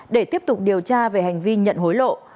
để tiếp tục điều tra về hành vi nhận hối lộ